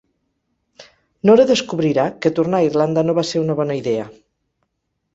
Nora descobrirà que tornar a Irlanda no va ser una bona idea.